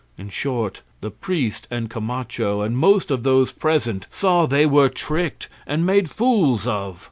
In short, the priest and Camacho and most of those present saw they were tricked and made fools of.